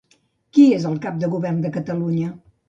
Qui és el cap de govern de Catalunya?